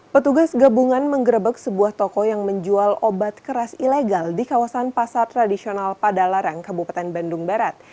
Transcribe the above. petugas gabungan menggerebek sebuah toko yang menjual obat keras ilegal di kawasan pasar tradisional padalarang kabupaten bandung barat